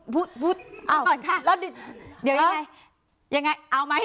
เปิ๊ตนะไปก่อนค่ะ